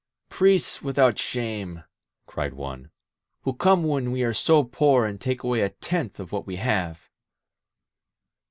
"Priests without shame," cried one, "who come when we are so poor and take away a tenth of what we have